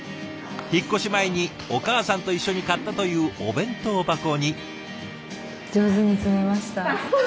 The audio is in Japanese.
引っ越し前にお母さんと一緒に買ったというお弁当箱に。